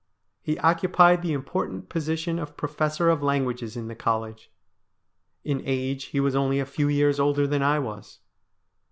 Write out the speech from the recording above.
He occupied the important position of professor of languages in the college. In age he was only a few years older than I was.